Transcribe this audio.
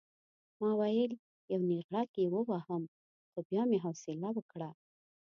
ما ویل یو نېغړک یې ووهم خو بیا مې حوصله وکړه.